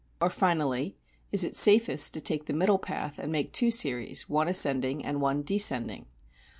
Or finally, is it safest to take the middle path and make two series, one ascending and one descending?